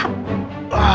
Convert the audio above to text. aku mau ke kamar